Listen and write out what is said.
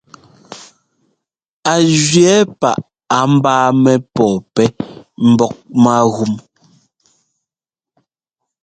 Á jʉɛ̌ paʼ á ḿbáamɛ́ pɔ̂pɛ́ mbɔ́k mágúm.